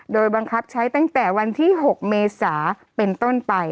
โดยบังคับใช้ตั้งแต่วันที่๖เมษาเป็นต้นไป